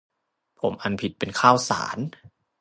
ผมอ่านผิดเป็นข้าวสาร